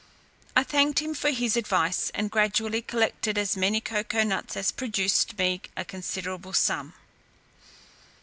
I thanked him for his advice, and gradually collected as many cocoa nuts as produced me a considerable sum.